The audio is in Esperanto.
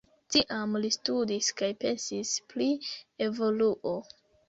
Tiam li studis kaj pensis pri evoluo.